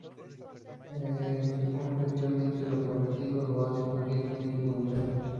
El que cumple fielmente lo prometido lo hace consciente y voluntariamente.